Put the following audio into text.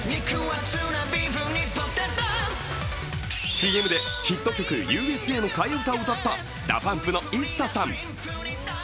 ＣＭでヒット曲「Ｕ．Ｓ．Ａ．」の替え歌を歌ったＤＡＰＵＭＰのＩＳＳＡさん。